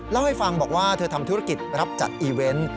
เล่าให้ฟังบอกว่าเธอทำธุรกิจรับจัดอีเวนต์